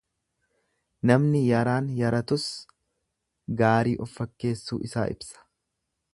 Namni yaraan yaratus gaarii of fakkeessuu isaa ibsa.